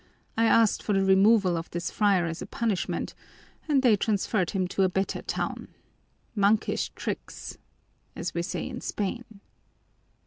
I asked for the removal of this friar as a punishment and they transferred him to a better town 'monkish tricks,' as we say in Spain."